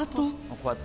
こうやって。